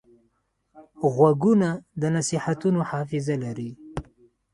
غوږونه د نصیحتونو حافظه لري